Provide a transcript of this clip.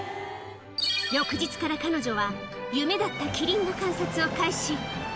翌日から彼女は、夢だったキリンの観察を開始。